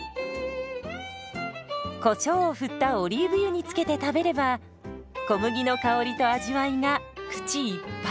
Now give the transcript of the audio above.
こしょうを振ったオリーブ油につけて食べれば小麦の香りと味わいが口いっぱい！